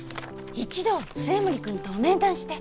一度末森君と面談して。